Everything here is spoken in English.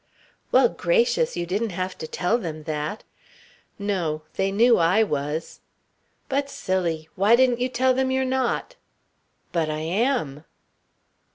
"Well, gracious, you didn't have to tell them that." "No. They knew I was." "But, Silly! Why didn't you tell them you're not?" "But I am."